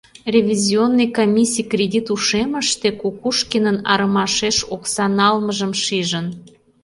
Ревизионный комиссий кредит ушемыште Кукушкинын арымашеш окса налмыжым шижын.